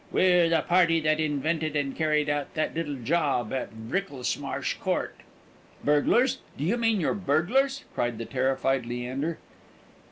We're the party that invented and carried out that little job at Wricklesmarsh Court." "Burglars! Do you mean you're burglars?" cried the terrified Leander.